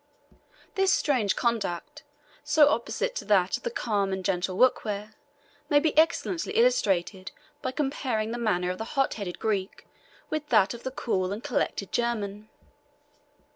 This strange conduct, so opposite to that of the calm and gentle Wakwere, may be excellently illustrated by comparing the manner of the hot headed Greek with that of the cool and collected German.